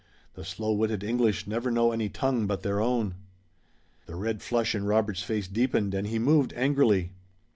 The slow witted English never know any tongue but their own." The red flush in Robert's face deepened and he moved angrily.